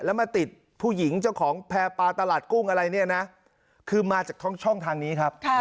แล้วมาติดผู้หญิงเจ้าของแพร่ปลาตลาดกุ้งอะไรเนี่ยนะคือมาจากช่องทางนี้ครับ